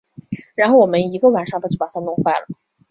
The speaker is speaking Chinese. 然后我们一个晚上就把它弄坏了